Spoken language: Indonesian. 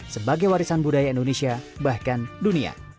sebagai warisan budaya indonesia bahkan dunia